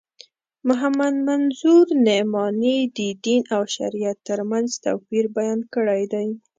محمد منظور نعماني د دین او شریعت تر منځ توپیر بیان کړی دی.